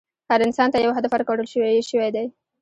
هر انسان ته یو هدف ورکړل شوی دی.